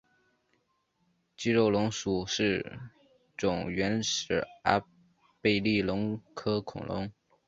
肌肉龙属是种原始阿贝力龙科恐龙。